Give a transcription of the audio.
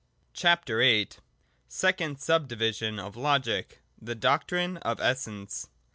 CHAPTER VIII. SECOND SUB DIVISION OF LOGIC. THE DOCTRINE OF ESSENCE.